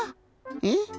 えっ？